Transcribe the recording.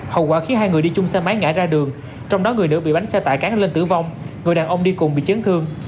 hậu quả khiến hai người đi chung xe máy ngã ra đường trong đó người nữ bị bánh xe tải cán lên tử vong người đàn ông đi cùng bị chấn thương